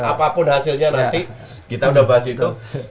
apapun hasilnya nanti kita udah bahas itu